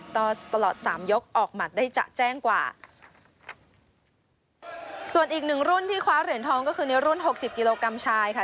ตลอดสามยกออกหมัดได้จะแจ้งกว่าส่วนอีกหนึ่งรุ่นที่คว้าเหรียญทองก็คือในรุ่นหกสิบกิโลกรัมชายค่ะ